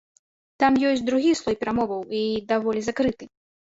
Там ёсць другі слой перамоваў і даволі закрыты.